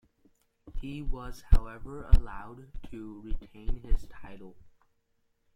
He was however allowed to retain his title.